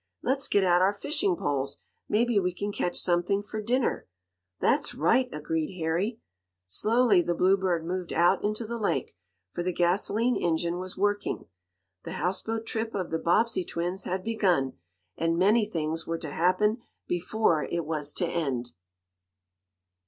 "Let's get out our fishing poles. Maybe we can catch something for dinner." "That's right!" agreed Harry. Slowly the Bluebird moved out into the lake, for the gasoline engine was working. The houseboat trip of the Bobbsey twins had begun, and many things were to happen before it was to end.